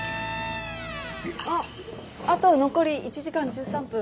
あと残り１時間１３分。